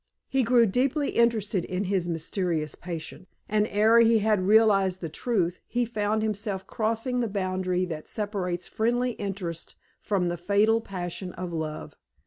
He grew deeply interested in his mysterious patient, and ere he had realized the truth he found himself crossing the boundary that separates friendly interest from the fatal passion of love.